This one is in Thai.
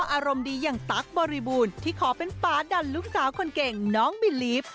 อารมณ์ดีอย่างตั๊กบริบูรณ์ที่ขอเป็นฟ้าดันลูกสาวคนเก่งน้องบิลลีฟ